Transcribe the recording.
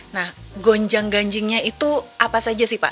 nah gonjang ganjingnya itu apa saja sih pak